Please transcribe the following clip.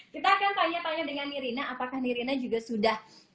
kita akan tanya tanya dengan nirina apakah nirina juga sudah